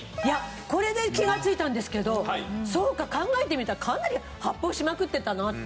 これで気がついたんですけどそうか考えてみたらかなり発砲しまくってたなって。